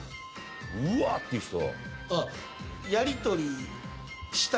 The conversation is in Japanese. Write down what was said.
うわ！っていう人。